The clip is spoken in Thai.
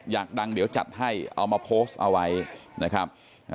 อยากดังเดี๋ยวจัดให้เอามาโพสต์เอาไว้นะครับ